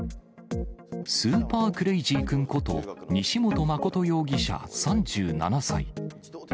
スーパークレイジー君こと、西本誠容疑者３７歳。